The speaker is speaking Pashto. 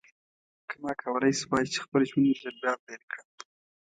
که ما کولای شوای چې خپل ژوند یو ځل بیا پیل کړم.